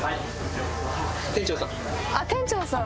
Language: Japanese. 店長さん。